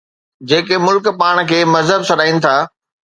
جيڪي ملڪ پاڻ کي مهذب سڏائين ٿا.